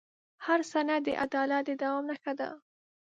هر سند د عدالت د دوام نښه وه.